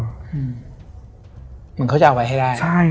เหมือนเขาจะเอาไว้ให้ได้